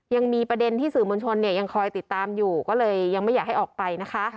ยังมีประเด็นที่สื่อมวลชนเนี่ยยังคอยติดตามอยู่ก็เลยยังไม่อยากให้ออกไปนะคะ